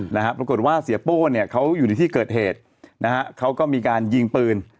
นะฮะปรากฏว่าเสียโป้เนี่ยเขาอยู่ในที่เกิดเหตุนะฮะเขาก็มีการยิงปืน